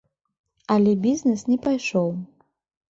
Але бізнес не пайшоў.